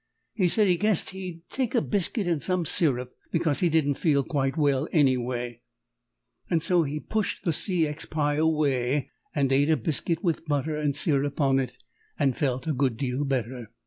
He said he guessed he'd take a biscuit and some syrup because he didn't feel quite well, anyway. So he pushed the C. X. pie away and ate a biscuit with butter and syrup on it, and felt a good deal better.